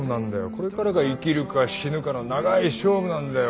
これからが生きるか死ぬかの長い勝負なんだよ。